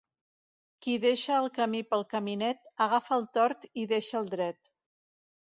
Qui deixa el camí pel caminet, agafa el tort i deixa el dret.